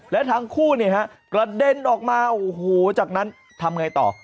และทั้งคู่กระเด็นออกมาโอ้โหจากนั้นทำไงต่อ